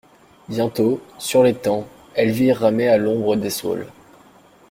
Bientôt, sur l'étang, Elvire ramait à l'ombre des saules.